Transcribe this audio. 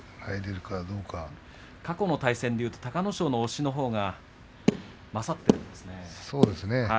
過去の対戦でいうと隆の勝の押しのほうが勝ってるんですね。